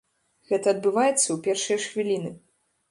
Гэта адбываецца ў першыя ж хвіліны.